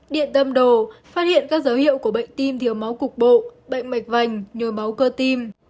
điện tâm đồ phát hiện các dấu hiệu của bệnh tim thiếu máu cục bộ bệnh mạch vành nhồi máu cơ tim